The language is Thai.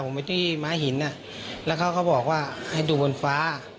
เค้าบอกว่าให้ดูบนฟ้า